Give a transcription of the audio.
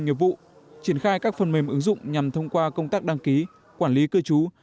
nghiệp vụ triển khai các phần mềm ứng dụng nhằm thông qua công tác đăng ký quản lý cư trú